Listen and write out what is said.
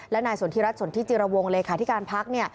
และนายสนทิรัฐสนทิจิรวงเลขาธิการพัก